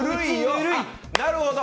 あ、なるほど。